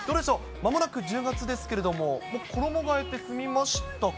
まもなく１０月ですけれども、衣がえって済みましたか？